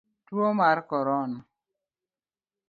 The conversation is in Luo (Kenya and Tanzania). Tuo mar korona